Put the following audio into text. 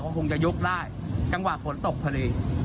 ก็คงจะยกได้จังหวะฝนตกพอดี